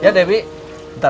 ya dewi bentar